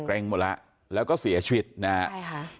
เกร็งหมดแล้วก็เสียชีวิตนะครับ